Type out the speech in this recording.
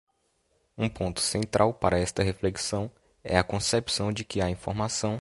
Um ponto central para esta reflexão é a concepção de que a informação